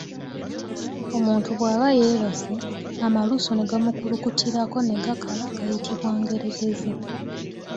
Omuntu bw’aba yeebase, amalusu ne gamukulukutirako ne gakala gayitibwa ngeregeze.